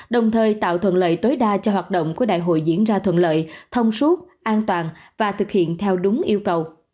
đồng thời tạo thuận lợi tối đa cho hoạt động của đại hội diễn ra thuận lợi thông suốt an toàn và thực hiện theo đúng yêu cầu